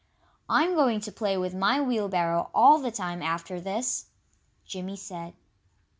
"I'm going to play with my wheelbarrow all the time after this," Jimmy said.